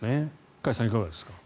加谷さん、いかがですか？